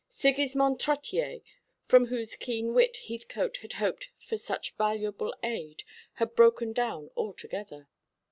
Sigismond Trottier, from whose keen wit Heathcote had hoped for such valuable aid, had broken down altogether.